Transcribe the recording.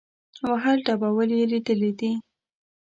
وهل ډبول یې لیدلي دي.